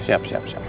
siap siap siap